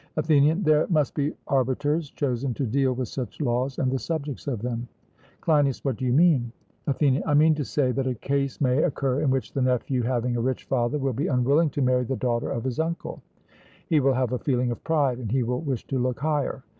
ATHENIAN: There must be arbiters chosen to deal with such laws and the subjects of them. CLEINIAS: What do you mean? ATHENIAN: I mean to say, that a case may occur in which the nephew, having a rich father, will be unwilling to marry the daughter of his uncle; he will have a feeling of pride, and he will wish to look higher.